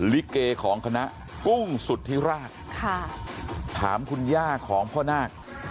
ลิเกของคณะกุ้งสุธิราชค่ะถามคุณย่าของพ่อนาค